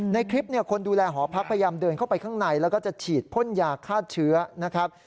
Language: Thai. ในคลิปเนี่ยคนดูแลหอพักพยายามเดินเข้าไปข้างในแล้วก็จะฉีดพ่นยาฆ่าเชื้อนะครับ